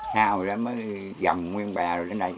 sau đó mới dầm nguyên bè lên đây